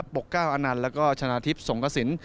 ปกเกล้าอันนันท์และชนะทิพย์สงกระศิลป์